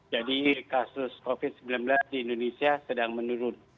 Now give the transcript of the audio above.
jadi kasus covid sembilan belas di indonesia sedang menurun